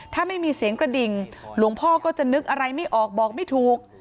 ถ้าไม่มีเสียงกระดิ่งหลวงพ่อก็จะนึกอะไรไม่ออกบอกไม่ถูก